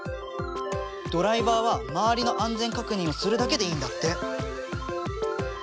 ドライバーは周りの安全確認をするだけでいいんだって。